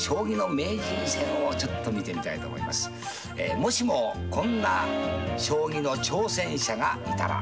「もしもこんな将棋の挑戦者がいたら」